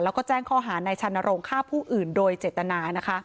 แล้วก็แจ้งข้อหาในชานโรงฆ่าผู้อื่นโดยเจตนานะคะ